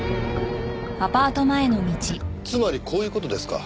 つまりこういう事ですか。